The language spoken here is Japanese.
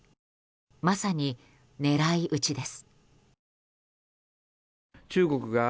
まさに狙い撃ちです。